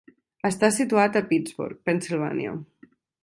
Està situat a Pittsburgh, Pennsilvània.